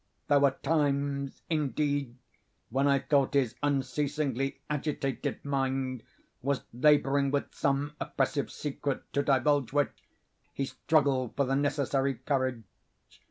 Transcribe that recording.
There were times, indeed, when I thought his unceasingly agitated mind was laboring with some oppressive secret, to divulge which he struggled for the necessary courage.